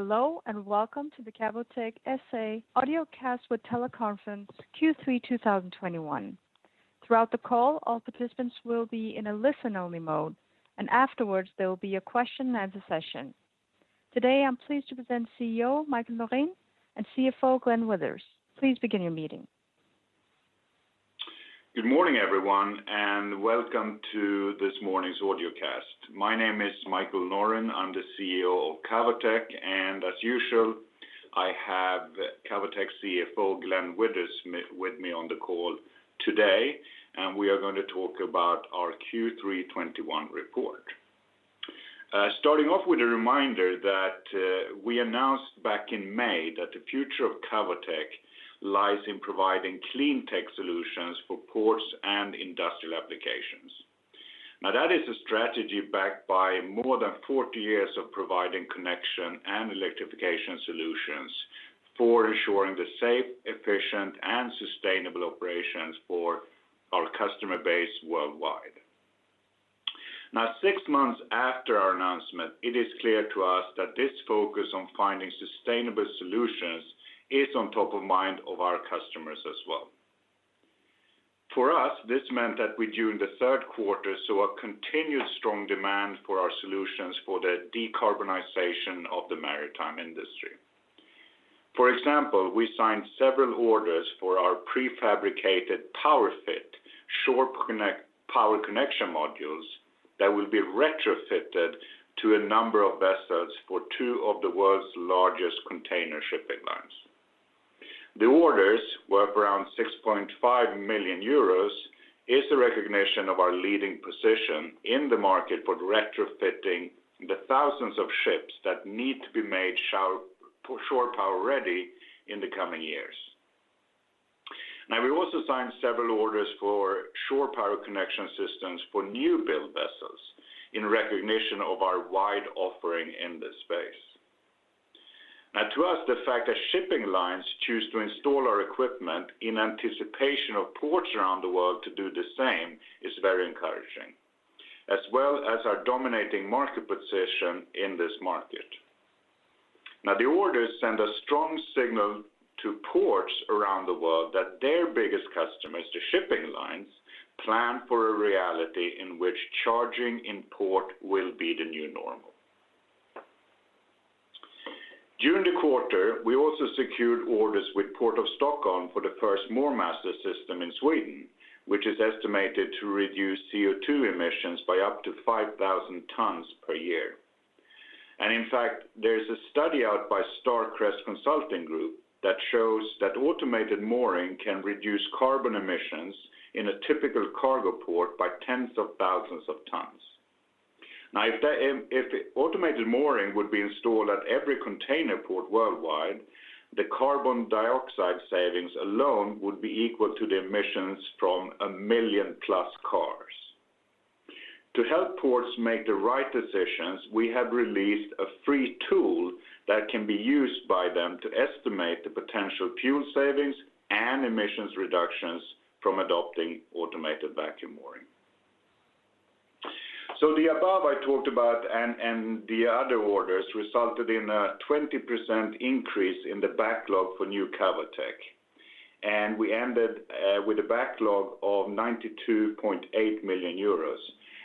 Hello, and welcome to the Cavotec SA audiocast with teleconference Q3 2021. Throughout the call, all participants will be in a listen-only mode, and afterwards, there will be a question-and-answer session. Today, I'm pleased to present CEO Mikael Norin and CFO Glenn Withers. Please begin your meeting. Good morning, everyone, and welcome to this morning's audiocast. My name is Mikael Norin. I'm the CEO of Cavotec, and as usual, I have Cavotec CFO, Glenn Withers, with me on the call today, and we are gonna talk about our Q3 2021 report. Starting off with a reminder that we announced back in May that the future of Cavotec lies in providing clean-tech solutions for ports and industrial applications. Now, that is a strategy backed by more than 40 years of providing connection and electrification solutions for ensuring the safe, efficient, and sustainable operations for our customer base worldwide. Now, six months after our announcement, it is clear to us that this focus on finding sustainable solutions is on top of mind of our customers as well. For us, this meant that we, during the third quarter, saw a continued strong demand for our solutions for the decarbonization of the maritime industry. For example, we signed several orders for our prefabricated PowerFit power connection modules that will be retrofitted to a number of vessels for two of the world's largest container shipping lines. The orders were around 6.5 million euros, which is a recognition of our leading position in the market for retrofitting the thousands of ships that need to be made Shore Power-ready in the coming years. Now, we also signed several orders for Shore Power connection systems for new-build vessels in recognition of our wide offering in this space. Now, to us, the fact that shipping lines choose to install our equipment in anticipation of ports around the world to do the same is very encouraging, as well as our dominating market position in this market. Now, the orders send a strong signal to ports around the world that their biggest customers, the shipping lines, plan for a reality in which charging in port will be the new normal. During the quarter, we also secured orders with Port of Stockholm for the first MoorMaster system in Sweden, which is estimated to reduce CO2 emissions by up to 5,000 tons per year. In fact, there's a study out by Starcrest Consulting Group that shows that automated mooring can reduce carbon emissions in a typical cargo port by tens of thousands of tons. Now, automated mooring would be installed at every container port worldwide, the carbon dioxide savings alone would be equal to the emissions from a million plus cars. To help ports make the right decisions, we have released a free tool that can be used by them to estimate the potential fuel savings and emissions reductions from adopting automated vacuum mooring. The above I talked about and the other orders resulted in a 20% increase in the backlog for New Cavotec, and we ended with a backlog of 92.8 million euros,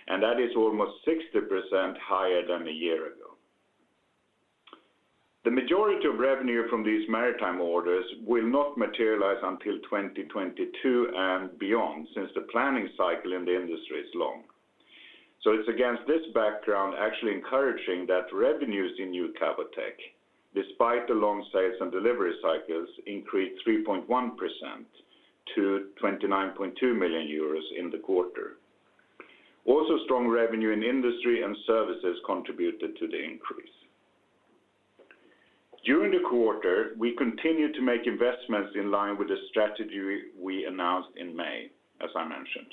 and that is almost 60% higher than a year ago. The majority of revenue from these maritime orders will not materialize until 2022 and beyond, since the planning cycle in the industry is long. It's against this background actually encouraging that revenues in New Cavotec, despite the long sales and delivery cycles, increased 3.1% to 29.2 million euros in the quarter. Also, strong revenue in Industry and Services contributed to the increase. During the quarter, we continued to make investments in line with the strategy we announced in May, as I mentioned.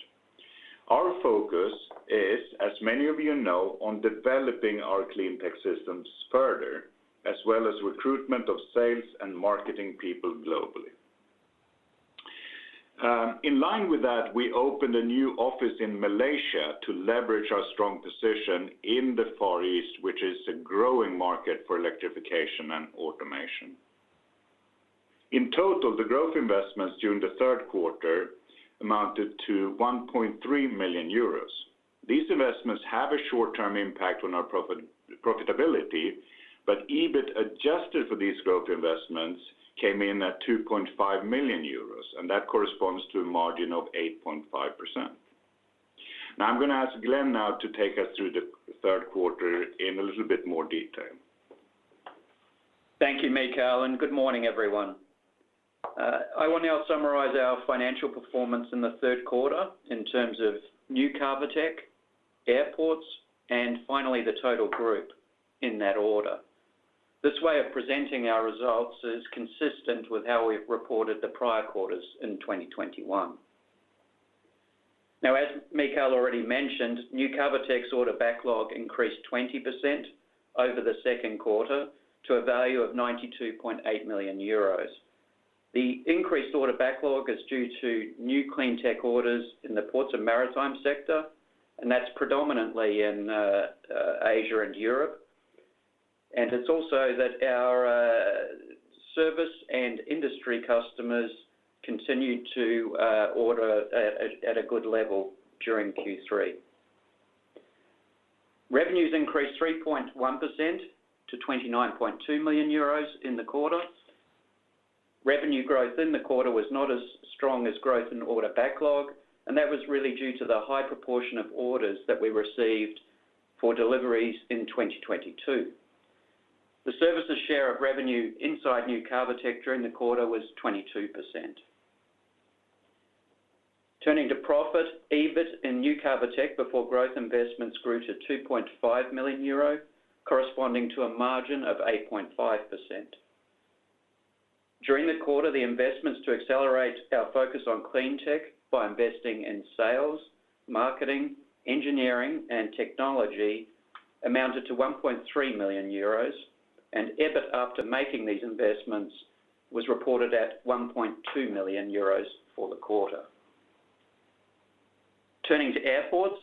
Our focus is, as many of you know, on developing our clean-tech systems further, as well as recruitment of sales and marketing people globally. In line with that, we opened a new office in Malaysia to leverage our strong position in the Far East, which is a growing market for Electrification and Automation. In total, the growth investments during the third quarter amounted to 1.3 million euros. These investments have a short-term impact on our profitability, but EBIT adjusted for these growth investments came in at 2.5 million euros, and that corresponds to a margin of 8.5%. Now I'm gonna ask Glenn now to take us through the third quarter in a little bit more detail. Thank you, Mikael, and good morning, everyone. I will now summarize our financial performance in the third quarter in terms of New Cavotec, Airports, and finally the total group in that order. This way of presenting our results is consistent with how we've reported the prior quarters in 2021. Now, as Mikael already mentioned, New Cavotec's order backlog increased 20% over the second quarter to a value of 92.8 million euros. The increased order backlog is due to new clean-tech orders in the Ports & Maritime sector, and that's predominantly in Asia and Europe. It's also that our service and industry customers continued to order at a good level during Q3. Revenues increased 3.1% to 29.2 million euros in the quarter. Revenue growth in the quarter was not as strong as growth in order backlog, and that was really due to the high proportion of orders that we received for deliveries in 2022. The services share of revenue inside New Cavotec during the quarter was 22%. Turning to profit, EBIT in New Cavotec before growth investments grew to 2.5 million euro, corresponding to a margin of 8.5%. During the quarter, the investments to accelerate our focus on clean-tech by investing in sales, marketing, engineering, and technology amounted to 1.3 million euros. EBIT after making these investments was reported at 1.2 million euros for the quarter. Turning to Airports,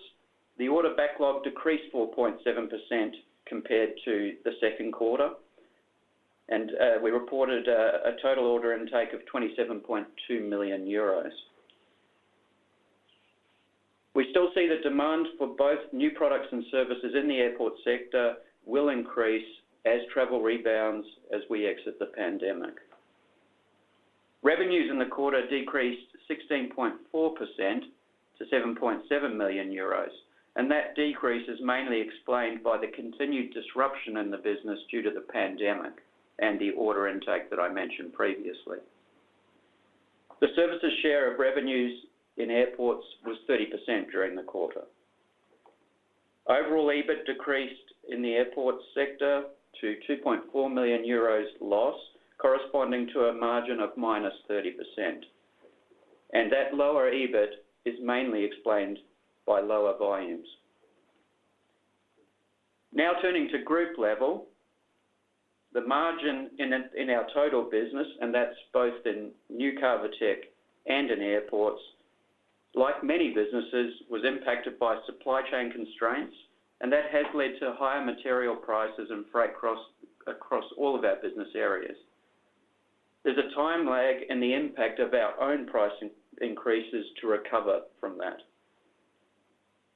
the order backlog decreased 4.7% compared to the second quarter. We reported a total order intake of 27.2 million euros. We still see the demand for both new products and services in the airport sector will increase as travel rebounds as we exit the pandemic. Revenues in the quarter decreased 16.4% to 7.7 million euros, and that decrease is mainly explained by the continued disruption in the business due to the pandemic and the order intake that I mentioned previously. The services share of revenues in Airports was 30% during the quarter. Overall, EBIT decreased in the airport sector to 2.4 million euros loss, corresponding to a margin of -30%. That lower EBIT is mainly explained by lower volumes. Now, turning to group level, the margin in our total business, and that's both in New Cavotec and in Airports, like many businesses, was impacted by supply chain constraints, and that has led to higher material prices and freight across all of our business areas. There's a time lag in the impact of our own price increases to recover from that.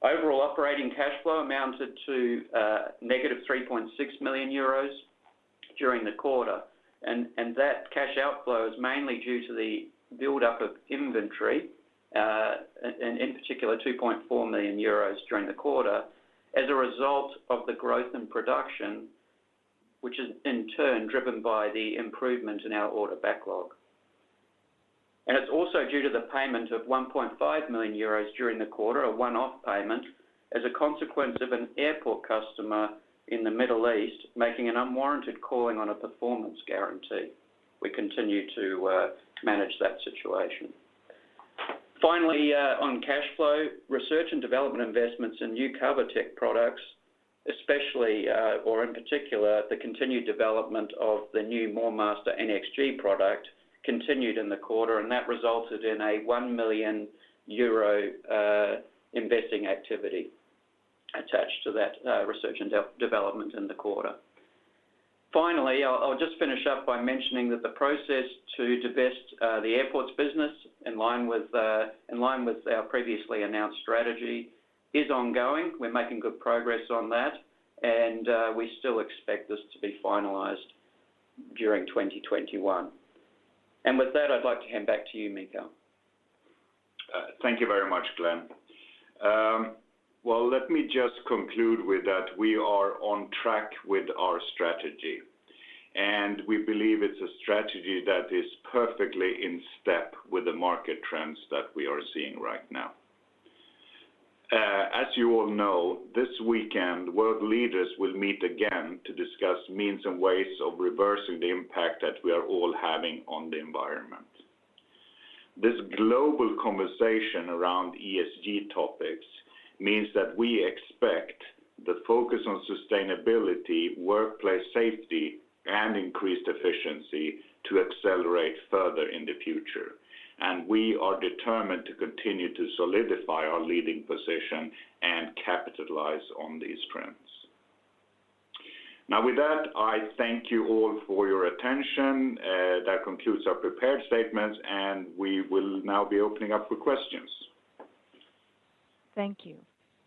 Overall operating cash flow amounted to -3.6 million euros during the quarter, and that cash outflow is mainly due to the buildup of inventory, in particular 2.4 million euros during the quarter as a result of the growth in production, which is in turn driven by the improvement in our order backlog. It's also due to the payment of 1.5 million euros during the quarter, a one-off payment as a consequence of an airport customer in the Middle East making an unwarranted calling on a performance guarantee. We continue to manage that situation. Finally, on cash flow, research and development investments in New Cavotec products, especially, or in particular, the continued development of the new MoorMaster NxG product continued in the quarter, and that resulted in a 1 million euro investing activity attached to that, research and development in the quarter. Finally, I'll just finish up by mentioning that the process to divest the Airports business in line with our previously announced strategy is ongoing. We're making good progress on that, and we still expect this to be finalized during 2021. With that, I'd like to hand back to you, Mikael. Thank you very much, Glenn. Let me just conclude with that we are on track with our strategy, and we believe it's a strategy that is perfectly in step with the market trends that we are seeing right now. As you all know, this weekend, world leaders will meet again to discuss means and ways of reversing the impact that we are all having on the environment. This global conversation around ESG topics means that we expect the focus on sustainability, workplace safety, and increased efficiency to accelerate further in the future. We are determined to continue to solidify our leading position and capitalize on these trends. Now, with that, I thank you all for your attention. That concludes our prepared statements, and we will now be opening up for questions. Thank you.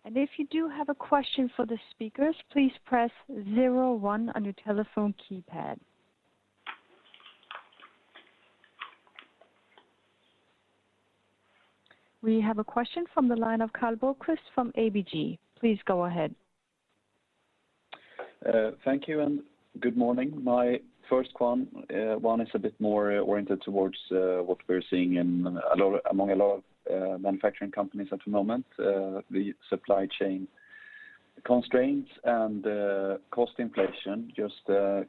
If you do have a question for the speakers, please press zero one on your telephone keypad. We have a question from the line of Karl Bokvist from ABG. Please go ahead. Thank you and good morning. My first one is a bit more oriented towards what we're seeing among a lot of manufacturing companies at the moment, the supply chain constraints and cost inflation. Just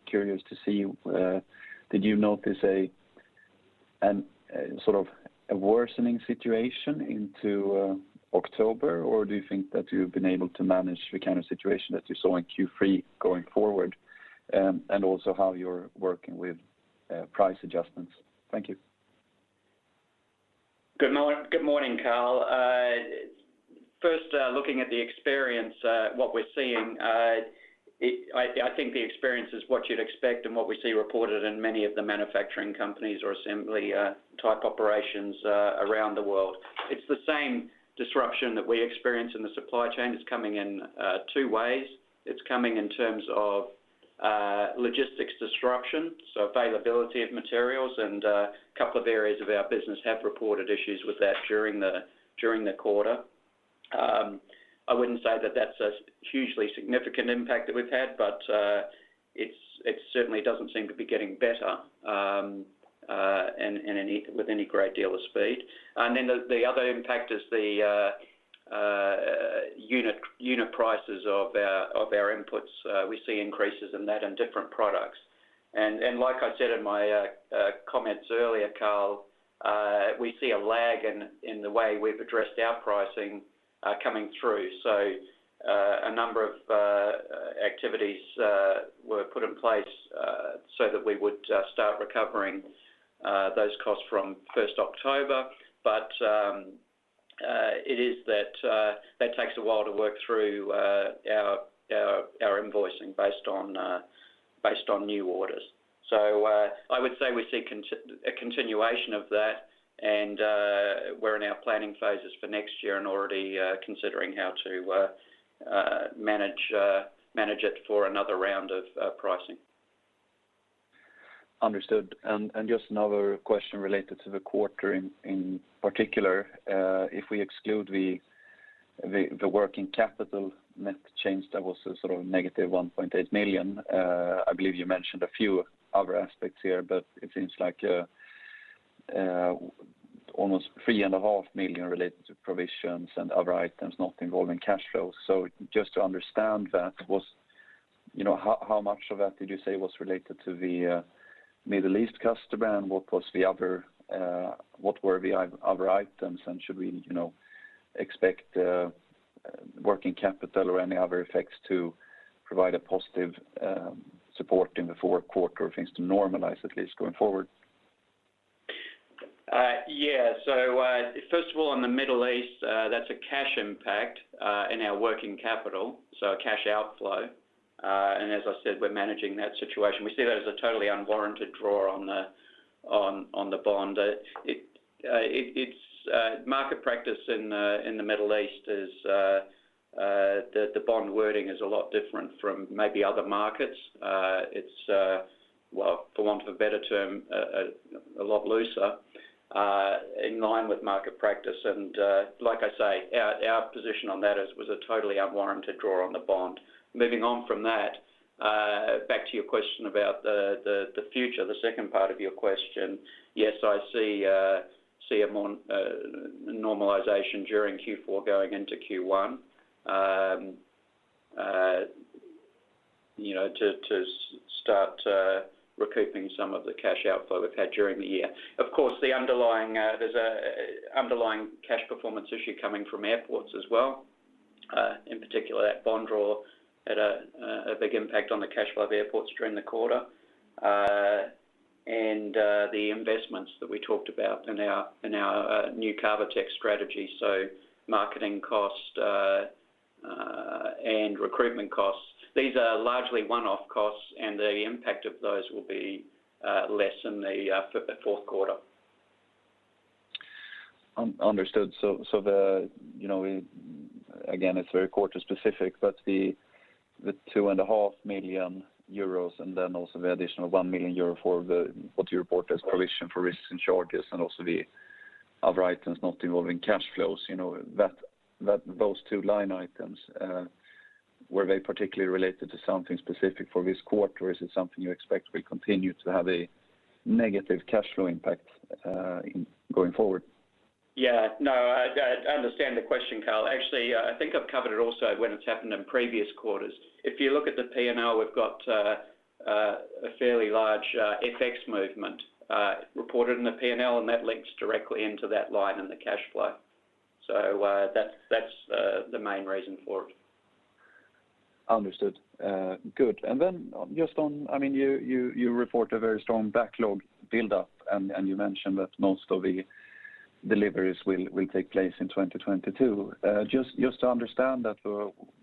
curious to see, did you notice a sort of a worsening situation into October? Or do you think that you've been able to manage the kind of situation that you saw in Q3 going forward, and also how you're working with price adjustments? Thank you. Good morning, Karl. First, looking at the experience, what we're seeing, I think the experience is what you'd expect and what we see reported in many of the manufacturing companies or assembly type operations around the world. It's the same disruption that we experience in the supply chain. It's coming in two ways. It's coming in terms of logistics disruption, so availability of materials and a couple of areas of our business have reported issues with that during the quarter. I wouldn't say that's a hugely significant impact we've had, but it certainly doesn't seem to be getting better with any great deal of speed. The other impact is the unit prices of our inputs. We see increases in that in different products. Like I said in my comments earlier, Karl, we see a lag in the way we've addressed our pricing coming through. A number of activities were put in place so that we would start recovering those costs from first October. It is that that takes a while to work through our invoicing based on new orders. I would say we see a continuation of that and we're in our planning phases for next year and already considering how to manage it for another round of pricing. Understood. Just another question related to the quarter in particular. If we exclude the working capital net change that was sort of -1.8 million, I believe you mentioned a few other aspects here, but it seems like almost 3.5 million related to provisions and other items not involving cash flow. Just to understand that was, you know, how much of that did you say was related to the Middle East customer and what were the other items, and should we, you know, expect working capital or any other effects to provide a positive support in the fourth quarter for things to normalize, at least going forward? Yeah. First of all, on the Middle East, that's a cash impact in our working capital, so a cash outflow. As I said, we're managing that situation. We see that as a totally unwarranted draw on the bond. It's market practice in the Middle East is the bond wording is a lot different from maybe other markets. It's well, for want of a better term, a lot looser, in line with market practice. Like I say, our position on that was a totally unwarranted draw on the bond. Moving on from that, back to your question about the future, the second part of your question. Yes, I see a normalization during Q4 going into Q1, you know, to start recouping some of the cash outflow we've had during the year. Of course, there's an underlying cash performance issue coming from Airports as well. In particular, that bond draw had a big impact on the cash flow of the Airports during the quarter. The investments that we talked about in our new Cavotec strategy, marketing costs and recruitment costs. These are largely one-off costs, and the impact of those will be less in the fourth quarter. Understood. You know, again, it's very quarter specific, but the 2.5 million euros and then also the additional 1 million euro for the, what you report as provision for risks and charges and also the other items not involving cash flows, you know, those two line items, were they particularly related to something specific for this quarter? Is it something you expect will continue to have a negative cash flow impact going forward? Yeah. No, I understand the question, Karl. Actually, I think I've covered it also when it's happened in previous quarters. If you look at the P&L, we've got a fairly large FX movement reported in the P&L, and that links directly into that line in the cash flow. That's the main reason for it. Understood. Good. Just on, I mean, you report a very strong backlog build-up, and you mentioned that most of the deliveries will take place in 2022. Just to understand that,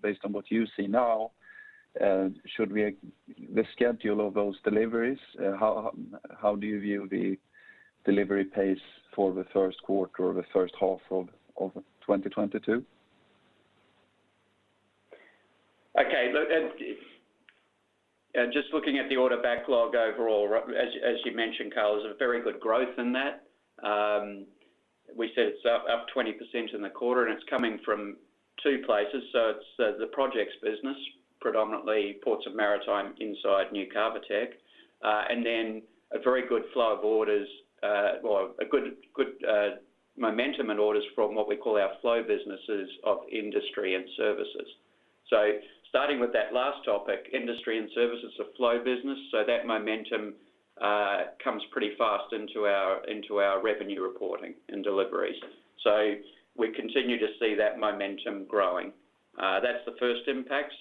based on what you see now, the schedule of those deliveries, how do you view the delivery pace for the first quarter or the first half of 2022? Okay. Look, just looking at the order backlog overall, as you mentioned, Karl, there's a very good growth in that. We said it's up 20% in the quarter, and it's coming from two places. It's the projects business, predominantly Ports & Maritime inside New Cavotec, and then a very good flow of orders, or a good momentum in orders from what we call our flow businesses of Industry and Services. Starting with that last topic, Industry and Services are flow business. That momentum comes pretty fast into our revenue reporting and delivery. We continue to see that momentum growing. That's the first impact.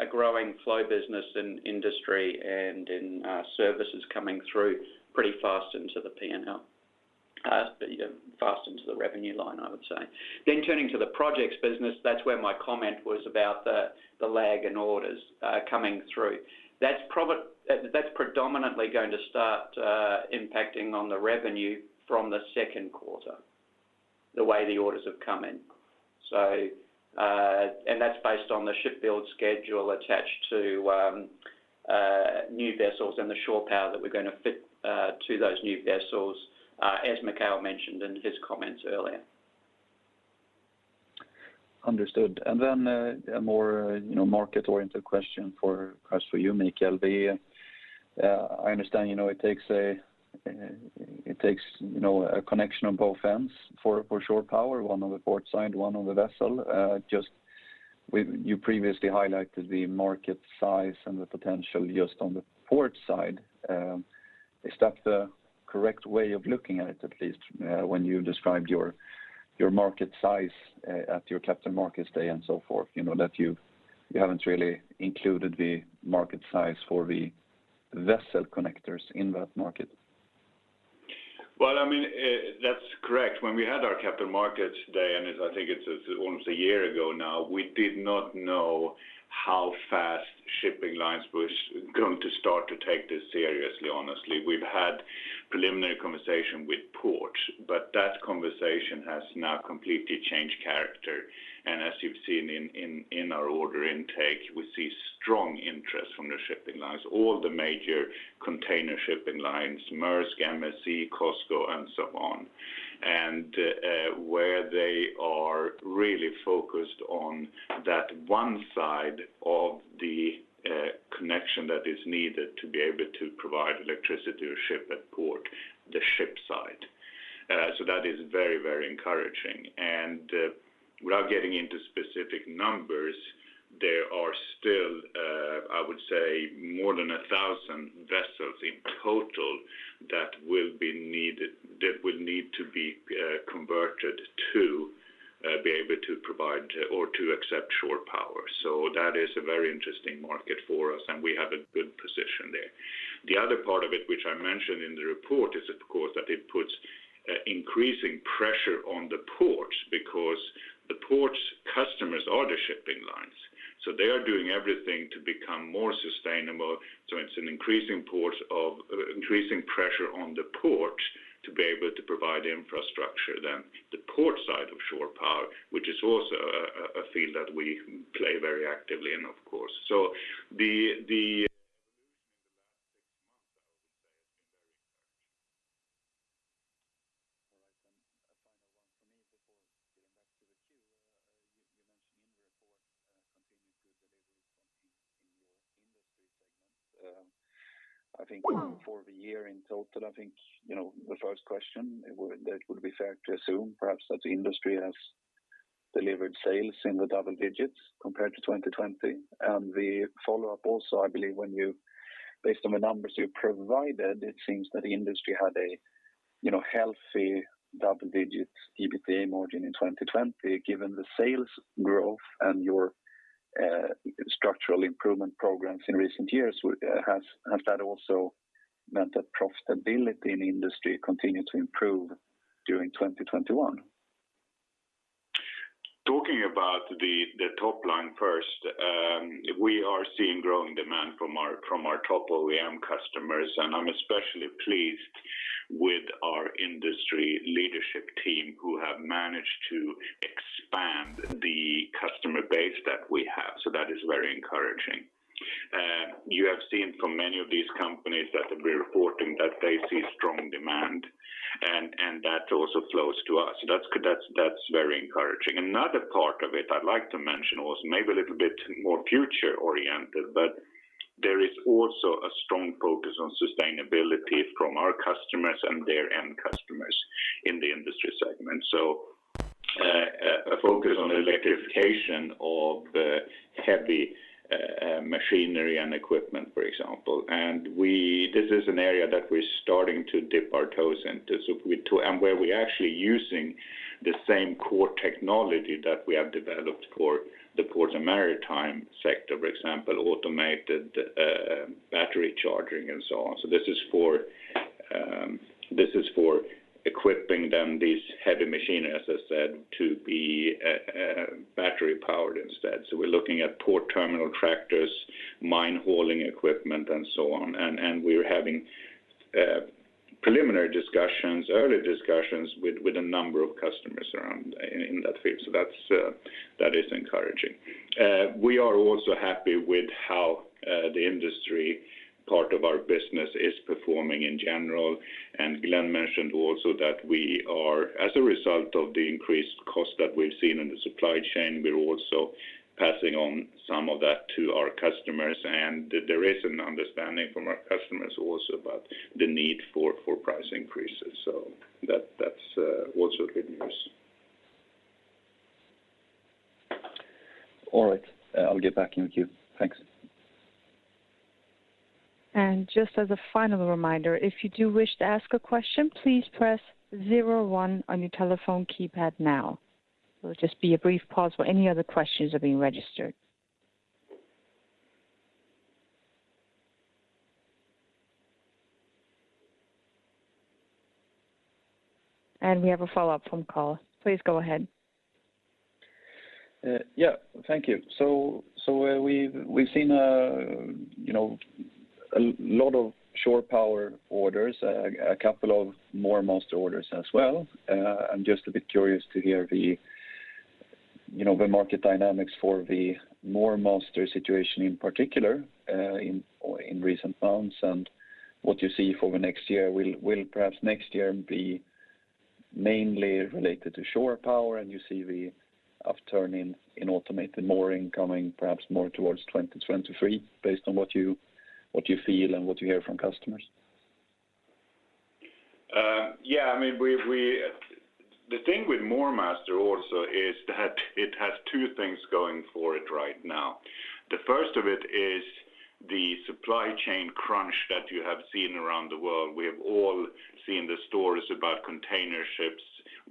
A growing flow business in Industry and Services coming through pretty fast into the P&L. Fast into the revenue line, I would say. Turning to the projects business, that's where my comment was about the lag in orders coming through. That's predominantly going to start impacting on the revenue from the second quarter, the way the orders have come in. That's based on the ship build schedule attached to new vessels and the Shore Power that we're gonna fit to those new vessels, as Mikael mentioned in his comments earlier. Understood. A more, you know, market-oriented question for, perhaps for you, Mikael. I understand, you know, it takes a connection on both ends for Shore Power, one on the port side, one on the vessel. You previously highlighted the market size and the potential just on the port side. Is that the correct way of looking at it, at least, when you described your market size at your Capital Markets Day and so forth, you know, that you haven't really included the market size for the vessel connectors in that market? Well, I mean, that's correct. When we had our Capital Markets Day, and I think it's almost a year ago now, we did not know how fast shipping lines was going to start to take this seriously, honestly. We've had preliminary conversation with ports, but that conversation has now completely changed character. As you've seen in our order intake, we see strong interest from the shipping lines, all the major container shipping lines, Maersk, MSC, COSCO, and so on. Where they are really focused on that one side of the connection that is needed to be able to provide electricity to a ship at port, the ship side. That is very, very encouraging. Without getting into specific numbers, there are still, I would say more than 1,000 vessels in total that will need to be converted to be able to provide or to accept Shore Power. That is a very interesting market for us, and we have a good position there. The other part of it, which I mentioned in the report, is, of course, that it puts increasing pressure on the ports because the ports' customers are the shipping lines, so they are doing everything to become more sustainable. It's an increasing pressure on the ports to be able to provide infrastructure on the port side of Shore Power, which is also a field that we play very actively in, of course. The evolution in the last six months, I would say, has been very encouraging. All right. A final one for me before getting back to the queue. You mentioned in the report continued good delivery from in your industry segment. I think for the year in total, I think, you know, the first question that would be fair to assume, perhaps, that the industry has delivered sales in the double digits compared to 2020. The follow-up also, I believe when based on the numbers you provided, it seems that the industry had a, you know, healthy double-digits EBITA margin in 2020. Given the sales growth and your structural improvement programs in recent years, has that also meant that profitability in industry continued to improve during 2021? Talking about the top line first, we are seeing growing demand from our top OEM customers, and I'm especially pleased with our Industry Leadership team who have managed to expand the customer base that we have. That is very encouraging. You have seen from many of these companies that we're reporting that they see strong demand and that also flows to us. That's very encouraging. Another part of it I'd like to mention was maybe a little bit more future-oriented, but there is also a strong focus on sustainability from our customers and their end customers in the industry segment. A focus on electrification of heavy machinery and equipment, for example. This is an area that we're starting to dip our toes into. We're actually using the same core technology that we have developed for the Ports & Maritime sector, for example, automated battery charging and so on. This is for equipping them, these heavy machinery, as I said, to be battery-powered instead. We're looking at port terminal tractors, mine hauling equipment, and so on. We're having preliminary discussions, early discussions with a number of customers around in that field. That is encouraging. We are also happy with how the industry part of our business is performing in general. Glenn mentioned also that we are, as a result of the increased cost that we've seen in the supply chain, we're also passing on some of that to our customers. There is an understanding from our customers also about the need for price increases. That's also good news. All right. I'll get back in with you. Thanks. Just as a final reminder, if you do wish to ask a question, please press zero one on your telephone keypad now. There'll just be a brief pause while any other questions are being registered. We have a follow-up from Karl. Please go ahead. Yeah, thank you. We've seen, you know, a lot of Shore Power orders, a couple of MoorMaster orders as well. I'm just a bit curious to hear the, you know, the market dynamics for the MoorMaster situation, in particular, in recent months, and what you see for the next year. Will perhaps next year be mainly related to Shore Power, and you see the upturn in automated mooring coming perhaps more towards 2023 based on what you feel and what you hear from customers? Yeah. I mean, we've The thing with MoorMaster also is that it has two things going for it right now. The first of it is the supply chain crunch that you have seen around the world. We have all seen the stories about container ships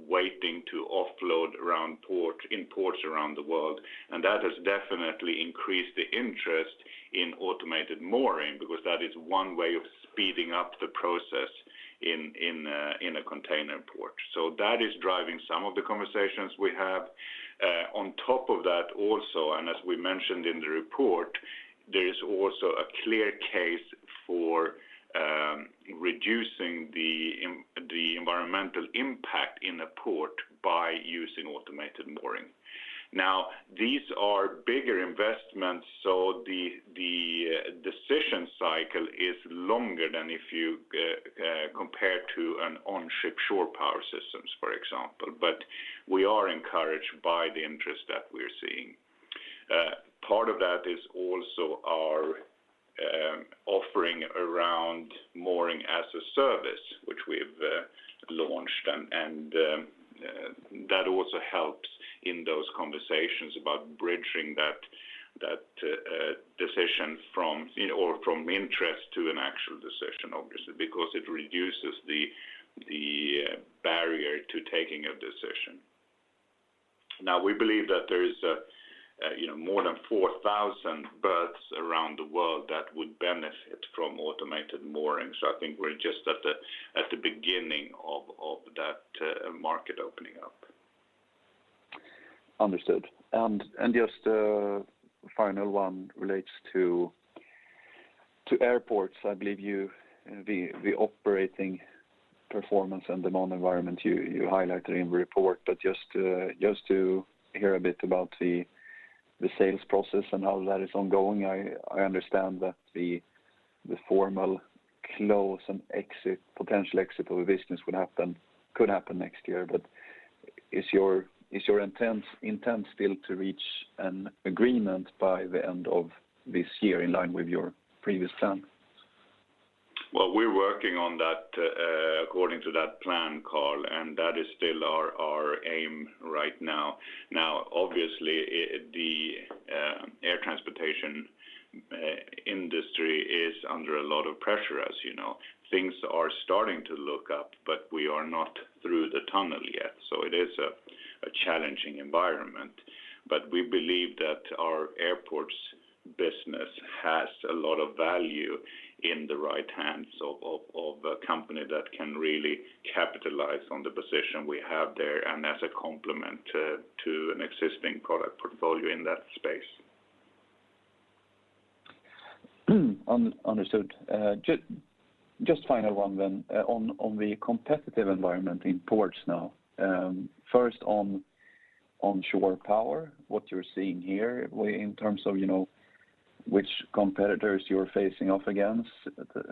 waiting to offload around port, in ports around the world, and that has definitely increased the interest in automated mooring because that is one way of speeding up the process in a container port. That is driving some of the conversations we have. On top of that also, and as we mentioned in the report, there is also a clear case for reducing the environmental impact in a port by using automated mooring. Now, these are bigger investments, so the decision cycle is longer than if you compared to an on-ship Shore Power systems, for example. We are encouraged by the interest that we're seeing. Part of that is also our offering around mooring as a service, which we've launched. That also helps in those conversations about bridging that decision from, you know, or from interest to an actual decision, obviously, because it reduces the barrier to taking a decision. Now, we believe that there is more than 4,000 berths around the world that would benefit from automated mooring. I think we're just at the beginning of that market opening up. Understood. Just a final one relates to Airports. I believe you, the operating performance and the non-environmental you highlighted in the report. Just to hear a bit about the sales process and how that is ongoing. I understand that the formal close and exit, potential exit of the business would happen, could happen next year. Is your intent still to reach an agreement by the end of this year in line with your previous plan? Well, we're working on that according to that plan, Karl, and that is still our aim right now. Now, obviously, the air transportation industry is under a lot of pressure, as you know. Things are starting to look up, but we are not through the tunnel yet. It is a challenging environment. We believe that our Airports business has a lot of value in the right hands of a company that can really capitalize on the position we have there and as a complement to an existing product portfolio in that space. Understood. Just final one then. On the competitive environment in ports now. First on Shore Power, what you're seeing here in terms of, you know, which competitors you're facing off against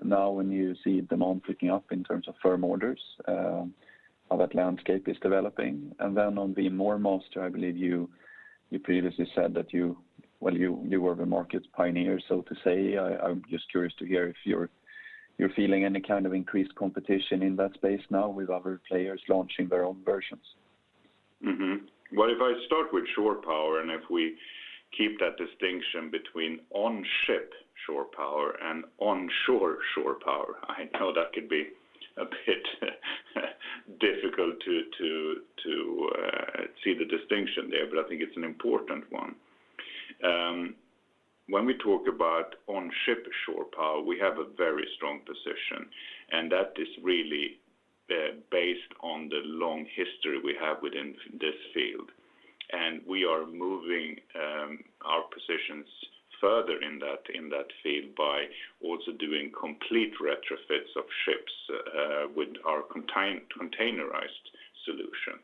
now, when you see demand picking up in terms of firm orders, how that landscape is developing. Then on the MoorMaster, I believe you previously said that you were the market pioneer, so to say. I'm just curious to hear if you're feeling any kind of increased competition in that space now with other players launching their own versions. Well, if I start with Shore Power, and if we keep that distinction between on-ship Shore Power and onshore Shore Power, I know that can be a bit difficult to see the distinction there, but I think it's an important one. When we talk about on-ship Shore Power, we have a very strong position, and that is really based on the long history we have within this field. We are moving our positions further in that field by also doing complete retrofits of ships with our containerized solution.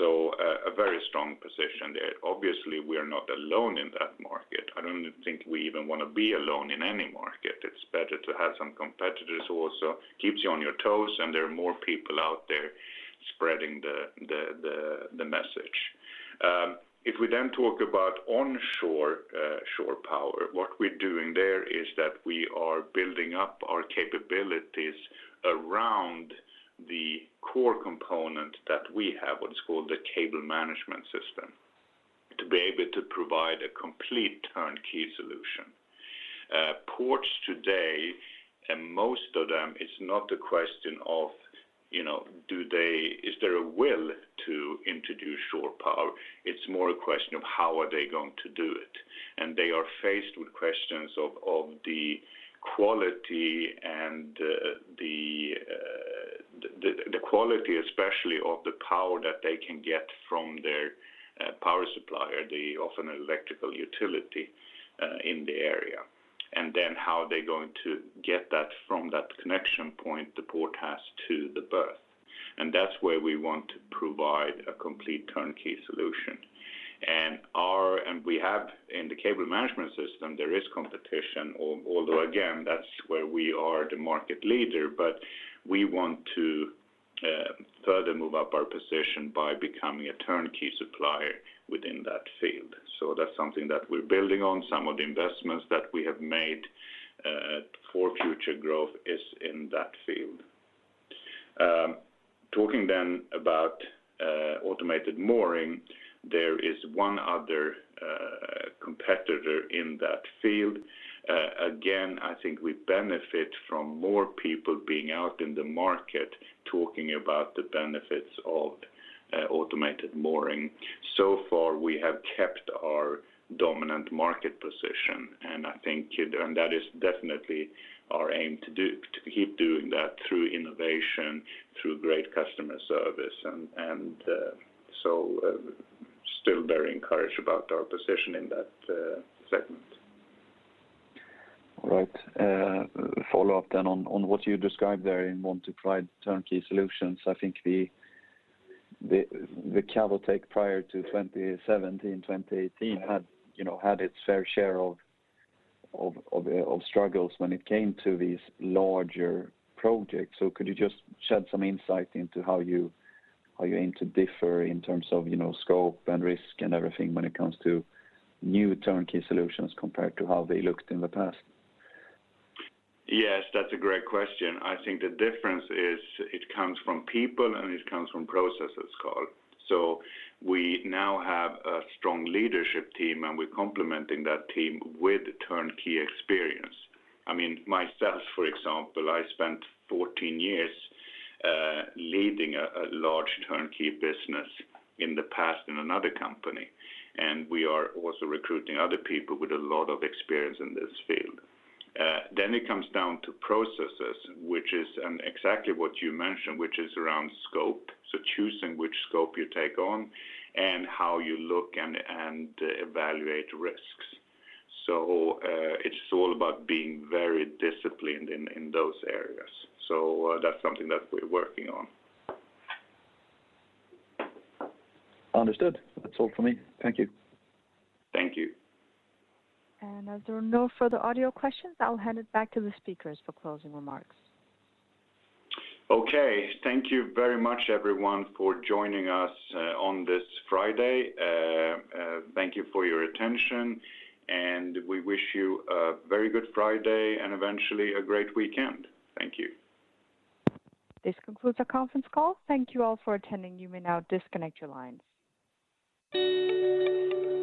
A very strong position there. Obviously, we are not alone in that market. I don't think we even wanna be alone in any market. It's better to have some competitors also, keeps you on your toes, and there are more people out there spreading the message. If we then talk about onshore Shore Power, what we're doing there is that we are building up our capabilities around the core component that we have, what is called the cable management system. To be able to provide a complete turnkey solution. Ports today, and most of them, it's not a question of, you know, is there a will to introduce Shore Power? It's more a question of how are they going to do it. They are faced with questions of the quality and the quality especially of the power that they can get from their power supplier, the often electrical utility in the area. Then how are they going to get that from that connection point the port has to the berth? That's where we want to provide a complete turnkey solution. We have in the cable management system, there is competition, although again, that's where we are the market leader, but we want to further move up our position by becoming a turnkey supplier within that field. That's something that we're building on. Some of the investments that we have made for future growth is in that field. Talking then about automated mooring, there is one other competitor in that field. Again, I think we benefit from more people being out in the market talking about the benefits of automated mooring. So far, we have kept our dominant market position, and I think, you know, that is definitely our aim to do, to keep doing that through innovation, through great customer service, and so still very encouraged about our position in that segment. All right. Follow up then on what you described there in wanting to provide turnkey solutions. I think the Cavotec prior to 2017, 2018 had, you know, had its fair share of struggles when it came to these larger projects. Could you just shed some light into how you aim to differ in terms of, you know, scope and risk and everything when it comes to new turnkey solutions compared to how they looked in the past? Yes, that's a great question. I think the difference is it comes from people, and it comes from processes, Karl. We now have a strong leadership team, and we're complementing that team with turnkey experience. I mean, myself, for example, I spent 14 years leading a large turnkey business in the past in another company, and we are also recruiting other people with a lot of experience in this field. It comes down to processes, which is exactly what you mentioned, which is around scope. It's all about being very disciplined in those areas. That's something that we're working on. Understood. That's all for me. Thank you. Thank you. As there are no further audio questions, I'll hand it back to the speakers for closing remarks. Okay. Thank you very much, everyone, for joining us on this Friday. Thank you for your attention, and we wish you a very good Friday and eventually a great weekend. Thank you. This concludes our conference call. Thank you all for attending. You may now disconnect your lines.